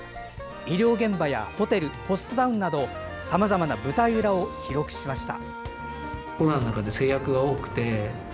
医療現場やホテルホストタウンなどさまざまな舞台裏を記録しました。